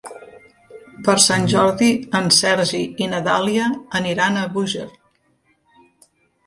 Per Sant Jordi en Sergi i na Dàlia aniran a Búger.